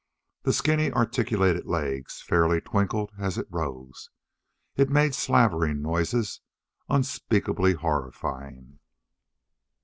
The skinny articulated legs fairly twinkled as it rose. It made slavering noises, unspeakably horrifying.